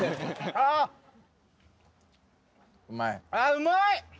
あぁうまい！